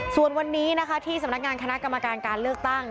ส่วนวันนี้นะคะที่สำนักงานคณะกรรมการการเลือกตั้ง